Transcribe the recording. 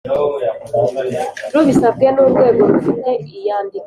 rubisabwe n urwego rufite iyandikwa